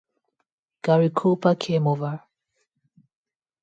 Gary Cooper came over.